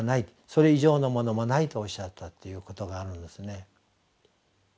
それ以上のものもないとおっしゃったっていうことがあるんですね。